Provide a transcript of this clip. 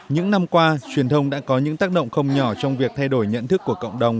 những năm qua truyền thông đã có những tác động không nhỏ trong việc thay đổi nhận thức của cộng đồng